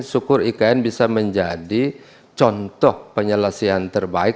syukur ikn bisa menjadi contoh penyelesaian terbaik